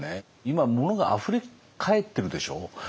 今物があふれかえってるでしょう？